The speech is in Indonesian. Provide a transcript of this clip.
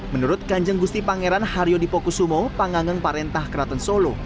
menurut kanjeng gusti pangeran haryo dipokusumo pangang parentah keraton solo